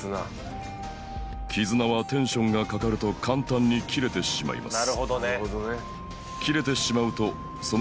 黄綱はテンションがかかると簡単に切れてしまいます